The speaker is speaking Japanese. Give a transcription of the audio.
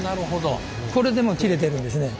これでもう切れてるんですね。